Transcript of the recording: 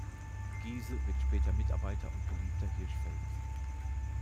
Giese wird später Mitarbeiter und Geliebter Hirschfelds.